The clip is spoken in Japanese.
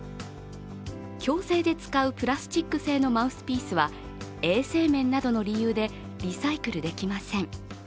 矯正で使うプラスチック製のマウスピースは衛生面などの理由でリサイクルできません。